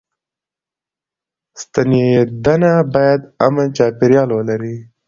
ستنېدنه بايد امن چاپيريال ولري.